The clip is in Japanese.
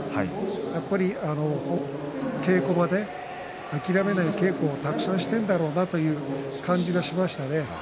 やっぱり稽古場で諦めない稽古をたくさんしているんだろうなという感じがしましたね。